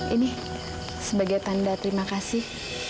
ini sebagai tanda terima kasih